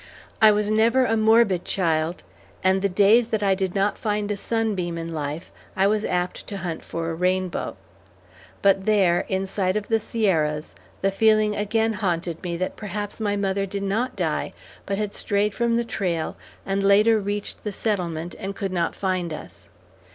I was never a morbid child, and the days that I did not find a sunbeam in life, I was apt to hunt for a rainbow. But there, in sight of the Sierras, the feeling again haunted me that perhaps my mother did not die, but had strayed from the trail and later reached the settlement and could not find us.